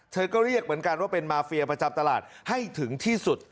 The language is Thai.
ก็เรียกเหมือนกันว่าเป็นมาเฟียประจำตลาดให้ถึงที่สุด